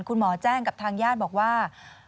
คุณหมอแจ้งกับทางญาติบอกว่า